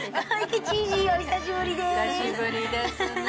久しぶりですね。